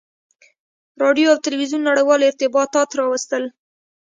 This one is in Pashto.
• راډیو او تلویزیون نړیوال ارتباطات راوستل.